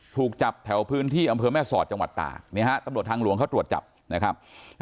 ถูกจับแถวพื้นที่อำเภอแม่สอดจังหวัดตากนี่ฮะตำรวจทางหลวงเขาตรวจจับนะครับ